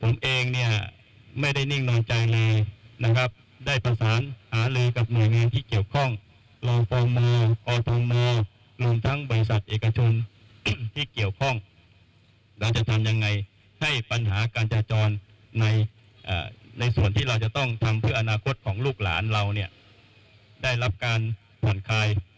และเป็นอักษรที่เกี่ยวข้องเราจะทำยังไงให้ปัญหาการจาจรในส่วนที่เราจะต้องทำเพื่ออาณาคตของลูกหลานเราได้รับการผ่านคาย